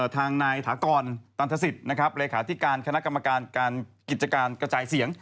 ทางนายถากรตันทศิษย์นะครับเลขาธิการคณะกรรมการการกิจการกระจายเสียง